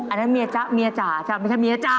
อันนั้นเมียจ๊ะเมียจ๋าจ้ะไม่ใช่เมียจ๊ะ